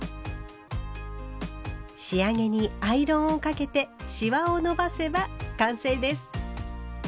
仕上げにアイロンをかけてシワを伸ばせば完成です。